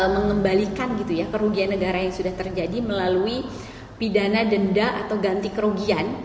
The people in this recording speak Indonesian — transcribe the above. mengembalikan gitu ya kerugian negara yang sudah terjadi melalui pidana denda atau ganti kerugian